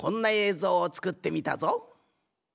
ぞうをつくってみたぞ。